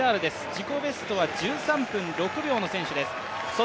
自己ベストは１３分６秒の選手です。